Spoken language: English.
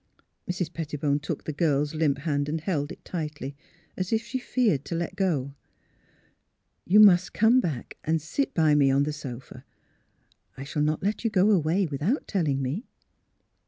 " Mrs. Pettibone took the girl's limp hand and held it tightly, as if she feared to let go. '' You must come back and sit by me on the sofa. I shall not let you go away without telling me."